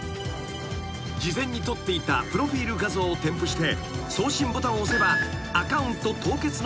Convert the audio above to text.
［事前に撮っていたプロフィル画像を添付して送信ボタンを押せばアカウント凍結の作業が完了］